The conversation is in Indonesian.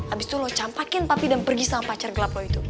abis itu lo campakin papi dan pergi sama pacar gelap lo itu